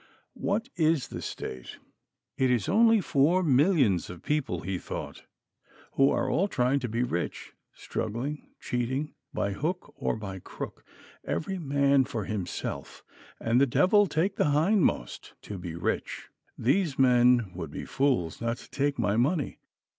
What is the State? It is only four millions of people, he thought, who are all trying to be rich struggling, cheating, by hook or by crook, every man for himself, and the devil take the hindmost, to be rich. These men would be fools not to take my money.